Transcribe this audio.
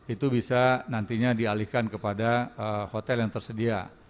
itu bisa nantinya dialihkan kepada hotel yang tersedia